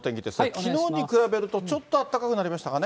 きのうに比べると、ちょっとあったかくなりましたかね。